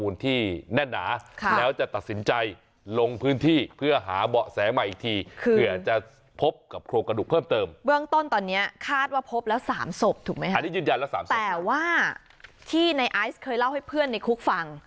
และ๓ศพถูกมั้ยครับแต่ว่าที่ไนไอซ์เคยเล่าให้เพื่อนในคุกฝั่ง